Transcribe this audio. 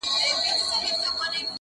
• چي دي و وینم د تورو سترګو جنګ کي,